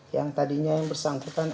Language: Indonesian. yang tadinya yang bersangkutan